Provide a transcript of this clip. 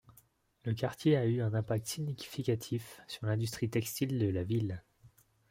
Le quartier a eu un impact significatif sur l'industrie textile de la ville.